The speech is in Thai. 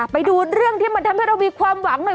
ไปดูเรื่องที่มันทำให้เรามีความหวังหน่อย